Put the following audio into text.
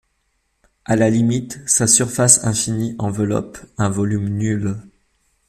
À la limite, sa surface infinie enveloppe un volume nul.